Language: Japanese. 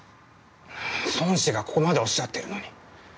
尊師がここまでおっしゃってるのに。